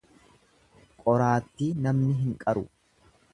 Qoraattii namni hin qaru.